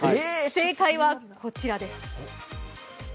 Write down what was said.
正解はこちらです。